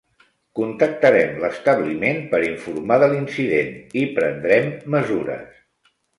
Contactarem l'establiment per informar de l'incident i prendrem mesures.